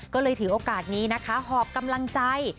ก็เลยถือโอกาสนี้นะคะหอบกำลังใจ